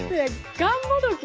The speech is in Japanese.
がんもどき